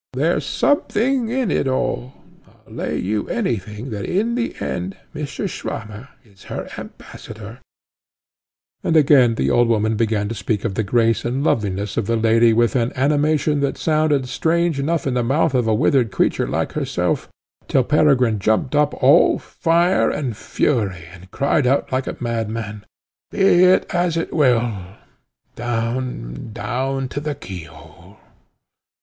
There's something in it all. I'll lay you any thing that in the end Mr. Swammer is her ambassador to you." And again the old woman began to speak of the grace and loveliness of the lady with an animation that sounded strange enough in the mouth of a withered creature like herself, till Peregrine jumped up all fire and fury, and cried out like a madman, "Be it as it will down, down to the key hole!"